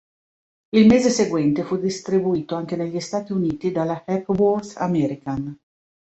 Il mese seguente fu distribuito anche negli Stati Uniti dalla Hepworth-American.